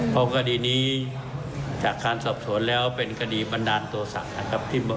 เพราะกดีนี้จากทางสอบสวนแล้วเป็นกดีบันดาลตัวสรรค